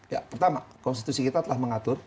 ya pertama konstitusi kita telah mengatur